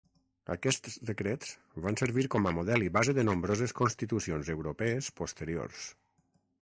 Aquests decrets van servir com a model i base de nombroses Constitucions europees posteriors.